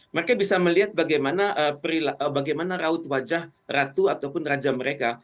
mereka bisa melihat bagaimana raut wajah ratu ataupun raja mereka